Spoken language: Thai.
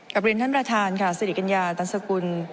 เรียนท่านประธานค่ะสิริกัญญาตันสกุล